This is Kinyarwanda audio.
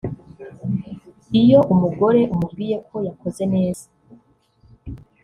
iyo umugore umubwiye ko yakoze neza